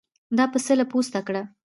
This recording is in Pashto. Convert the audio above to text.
دا پسه له پوسته کړه.